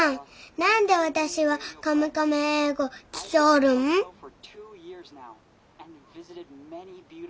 何で私は「カムカム英語」聴きょおるん？